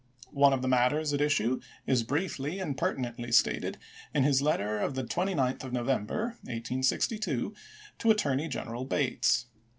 One of the matters at issue is briefly and pertinently stated in his letter of the 29th of No vember, 1862, to Attorney General Bates.